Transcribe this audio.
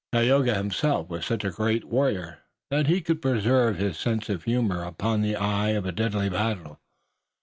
Tayoga himself was so great a warrior that he could preserve his sense of humor upon the eve of a deadly battle.